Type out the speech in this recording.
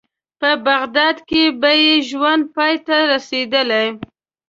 په بغداد کې به یې ژوند پای ته رسېدلی.